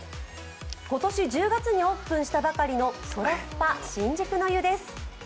今年１０月にオープンしたばかりのＳＯＬＡＳＰＡ新宿の湯です。